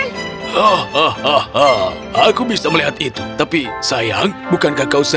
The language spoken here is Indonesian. hahaha aku bisa melihat itu tapi sayang bukankah kau senang